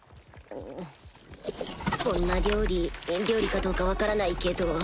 こんな料理料理かどうか分からないけど